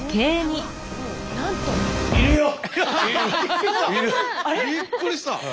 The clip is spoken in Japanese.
えっ⁉びっくりした！